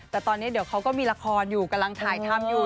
แต่ตอนนี้เดี๋ยวเขาก็มีละครอยู่กำลังถ่ายทำอยู่